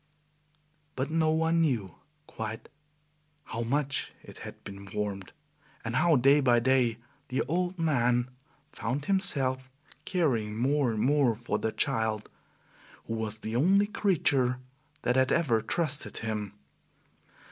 But no one knew quite how much it had been warmed, and how day by day the old man found himself caring more and more for the child, who was the only creature that had ever trusted him.